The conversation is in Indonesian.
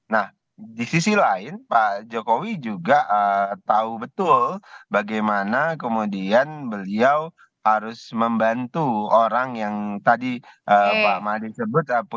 nah di sisi lain pak jokowi juga tahu betul bagaimana kemudian beliau harus membantu orang yang tadi mbak mari sebut